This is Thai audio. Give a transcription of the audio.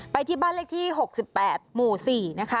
ที่บ้านเลขที่๖๘หมู่๔นะคะ